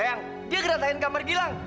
eh dia geratain kamar gilang